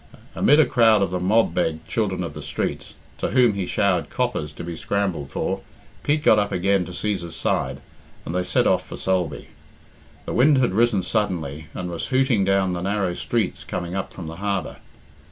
Amid a crowd of the "mob beg" children of the streets, to whom he showered coppers to be scrambled for, Pete got up again to Cæsar's side, and they set off for Sulby. The wind had risen suddenly, and was hooting down the narrow streets coming up from the harbour.